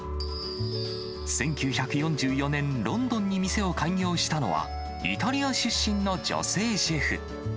１９４４年、ロンドンに店を開業したのは、イタリア出身の女性シェフ。